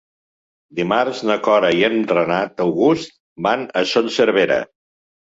Dimarts na Cora i en Renat August van a Son Servera.